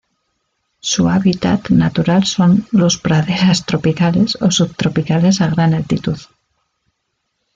Su hábitat natural son los praderas tropicales o subtropicales a gran altitud.